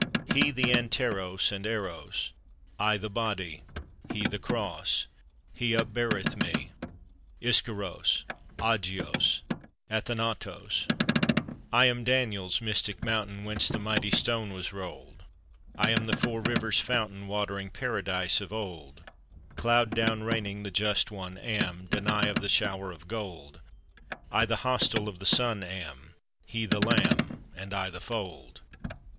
He the Anteros and Eros, I the body, He the Cross; He upbeareth me, Ischyros, Agios Athanatos! "I am Daniel's mystic Mountain, Whence the mighty stone was rolled; I am the four Rivers' fountain, Watering Paradise of old; Cloud down raining the Just One am, Danae of the Shower of Gold; I the Hostel of the Sun am; He the Lamb, and I the Fold.